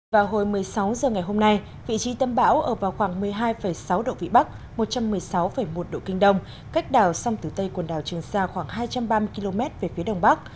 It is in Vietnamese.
vào hồi một mươi sáu h ngày hôm nay vị trí tâm bão ở vào khoảng một mươi hai sáu độ vĩ bắc một trăm một mươi sáu một độ kinh đông cách đảo song tử tây quần đảo trường sa khoảng hai trăm ba mươi km về phía đông bắc